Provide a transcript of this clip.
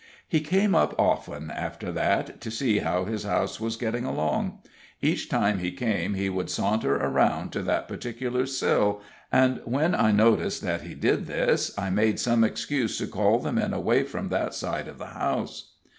He came up often, after that, to see how his house was getting along. Each time he came he would saunter around to that particular sill, and when I noticed that he did this, I made some excuse to call the men away from that side of the house.